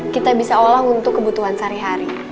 kita bisa olah untuk kebutuhan sehari hari